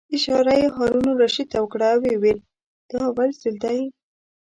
اشاره یې هارون الرشید ته وکړه او ویې ویل: دا اول ځل دی.